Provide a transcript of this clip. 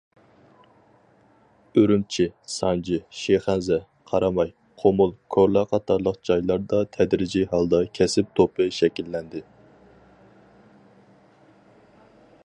ئۈرۈمچى، سانجى، شىخەنزە، قاراماي، قومۇل، كورلا قاتارلىق جايلاردا تەدرىجىي ھالدا كەسىپ توپى شەكىللەندى.